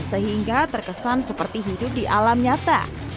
sehingga terkesan seperti hidup di alam nyata